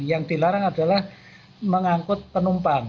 yang dilarang adalah mengangkut penumpang